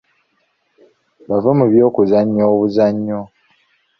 Bave mu by'okuzannya obuzannyo.